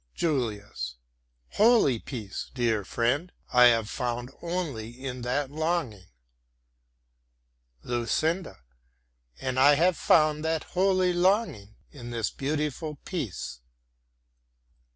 JULIUS Holy peace, dear friend, I have found only in that longing. LUCINDA And I have found that holy longing in this beautiful peace.